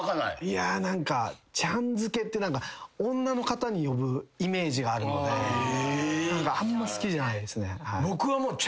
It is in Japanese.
いや何かちゃんづけって女の方に呼ぶイメージがあるのであんま好きじゃないですね。